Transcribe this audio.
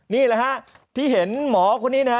นี่แหละฮะที่เห็นหมอคนนี้นะฮะ